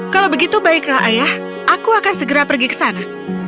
kalau begitu baiklah ayah aku akan segera pergi ke sana